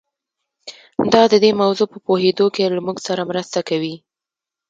دا د دې موضوع په پوهېدو کې له موږ سره مرسته کوي.